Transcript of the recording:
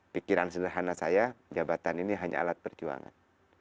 pikiran sederhana saya jabatan ini hanya alat perjuangan